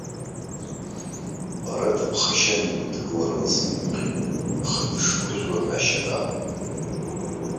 Лара дыԥхашьан игәыдкылара лзымгәаӷьит, аха дышгәырӷьо ҳәашьак амам.